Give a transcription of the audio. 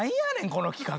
この企画。